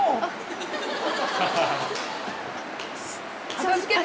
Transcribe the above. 片づけて。